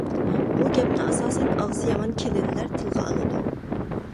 بۇ گەپنى ئاساسەن ئاغزى يامان كېلىنلەر تىلغا ئالىدۇ.